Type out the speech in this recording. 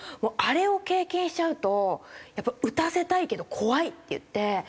あれを経験しちゃうとやっぱり打たせたいけど怖いって言って。